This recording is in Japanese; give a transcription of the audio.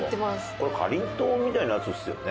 これかりんとうみたいなやつですよね？